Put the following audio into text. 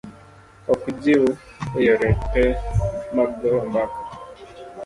Ok ojiw e yore te mag goyo mbaka.